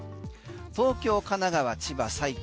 東京、神奈川、千葉、埼玉